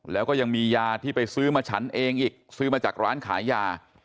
แล้วก็ยังมียาที่ไปซื้อมาฉันเองอีกซื้อมาจากร้านขายยา